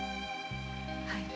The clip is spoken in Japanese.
はい。